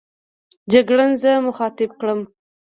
جګړن زه مخاطب کړم.